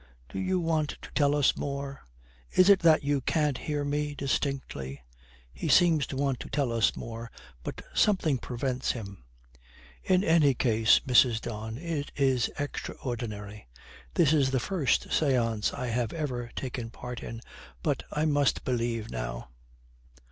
Do you want to tell us more? Is it that you can't hear me distinctly? He seems to want to tell us more, but something prevents him.' 'In any case, Mrs. Don, it is extraordinary. This is the first seance I have ever taken part in, but I must believe now.'